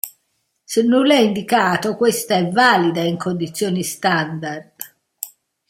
Se nulla è indicato questa è valida in condizioni standard.